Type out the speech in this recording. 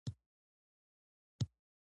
رسۍ له بل سره همکاري غواړي.